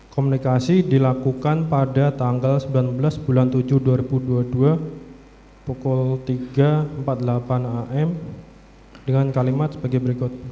komunikasi dilakukan pada tanggal sembilan belas bulan tujuh dua ribu dua puluh dua pukul tiga empat puluh delapan am dengan kalimat sebagai berikut